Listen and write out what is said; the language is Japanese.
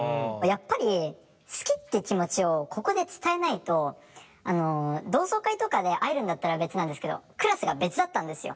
やっぱり好きって気持ちをここで伝えないと同窓会とかで会えるんだったら別なんですけどクラスが別だったんですよ